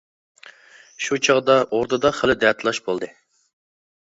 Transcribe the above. شۇ چاغدا ئوردىدا خېلى دەتالاش بولدى.